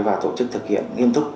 và tổ chức thực hiện nghiêm túc